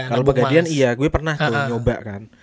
kalau pegadaian iya gue pernah tuh nyoba kan